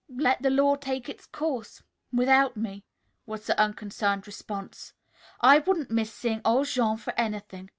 "Let the law take its course without me," was the unconcerned response. "I wouldn't miss seeing old Jean for anything.